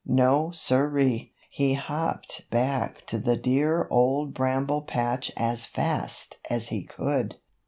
No, siree. He hopped back to the dear Old Bramble Patch as fast as he could.